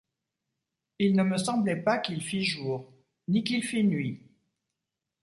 Il ne me semblait pas qu’il fît jour, ni qu’il fît nuit.